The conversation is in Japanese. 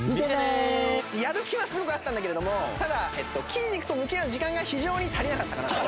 やる気はすごくあったんだけれどもただ筋肉と向き合う時間が非常に足りなかったかなと。